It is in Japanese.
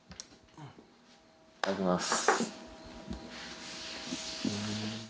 いただきます。